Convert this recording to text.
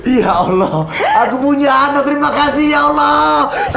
ya allah aku punya anu terima kasih ya allah